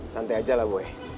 santai aja lah gue